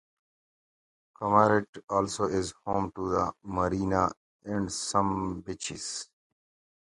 Camaret also is home to a marina and some beaches.